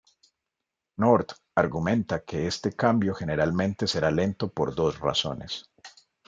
North argumenta que este cambio generalmente será lento por dos razones.